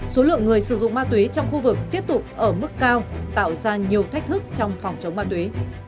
số lượng người sử dụng ma túy trong khu vực tiếp tục ở mức cao tạo ra nhiều thách thức trong phòng chống ma túy